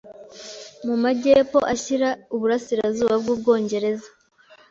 mu majyepfo ashyira uburasirazuba bw'Ubwongereza,